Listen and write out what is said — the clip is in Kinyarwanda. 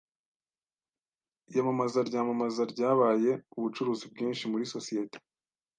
Iyamamaza ryamamaza ryabyaye ubucuruzi bwinshi muri sosiyete.